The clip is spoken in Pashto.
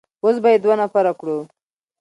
اوس به يې دوه نفره کړو.